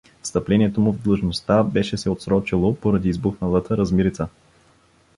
Встъплението му в длъжността беше се отсрочило поради избухналата размирица.